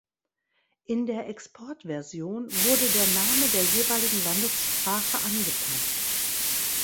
In der Exportversion wurde der Name der jeweiligen Landessprache angepasst.